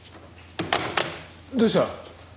どうした？